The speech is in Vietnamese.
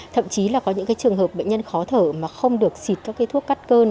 thậm chí là có những cái trường hợp bệnh nhân khó thở mà không được xịt các cái thuốc cắt cơn